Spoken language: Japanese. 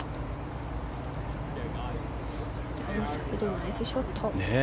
ナイスショット。